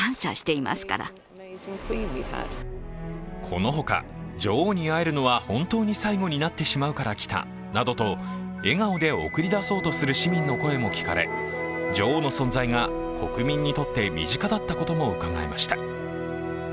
このほか、女王に会えるのは本当に最後になってしまうから来たなどと笑顔で送り出そうとする市民の声も聞かれ女王の存在が国民にとって身近だったこともうかがえました。